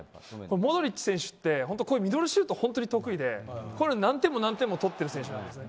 モドリッチ選手はミドルシュートを本当に得意で何点も取ってる選手なんですね。